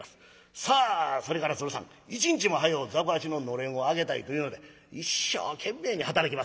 さあそれから鶴さん一日も早う雑穀八の暖簾を上げたいというので一生懸命に働きます。